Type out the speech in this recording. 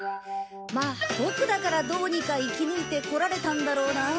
まあボクだからどうにか生き抜いてこられたんだろうな。